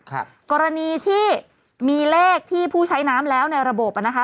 กรณีที่มีเลขที่ผู้ใช้น้ำแล้วในระบบอ่ะนะคะ